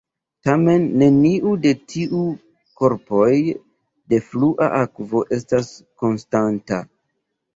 Tamen neniu de tiuj korpoj de flua akvo estas konstanta.